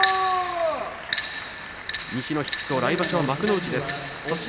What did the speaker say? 西の筆頭来場所は幕内です。